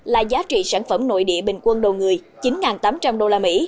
là giá trị sản phẩm nội địa bình quân đầu người chín tám trăm linh usd